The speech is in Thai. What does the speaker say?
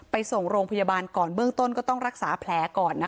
ไปส่งโรงพยาบาลก่อนเบื้องต้นก็ต้องรักษาแผลก่อนนะคะ